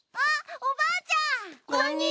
あっおばあちゃん。